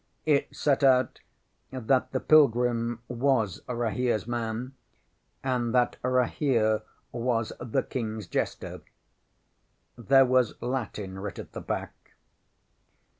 ŌĆśIt set out that the pilgrim was RahereŌĆÖs man, and that Rahere was the KingŌĆÖs jester. There was Latin writ at the back.